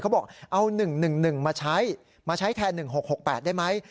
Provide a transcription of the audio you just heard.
เขาบอกเอา๑๑๑๑มาใช้มาใช้แทน๑๖๖๘ได้ไหม